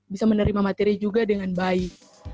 bisa menerima materi juga dengan baik